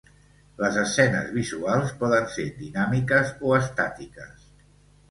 Les escenes visuals poden ser dinàmiques o estàtiques.